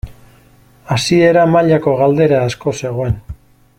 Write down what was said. Hasiera mailako galdera asko zegoen.